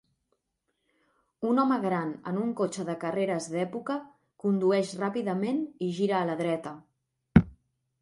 Un home gran en un cotxe de carreres d'època condueix ràpidament i gira a la dreta.